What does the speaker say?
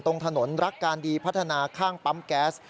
ตรงถนนรักการดีพัฒนาข้างปั๊มแก๊ส